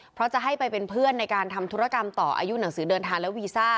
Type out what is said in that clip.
เพราะจะให้ไปเป็นเพื่อนในการทำธุรกรรมต่ออายุหนังสือเดินทางและวีซ่า